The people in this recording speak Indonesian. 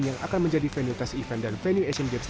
yang akan menjadi venue tes event dan venue asian games